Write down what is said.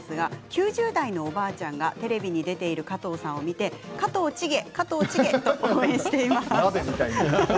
９０代のおばあちゃんがテレビに出ている加藤さんを見て加藤チゲ加藤チゲと応援しています。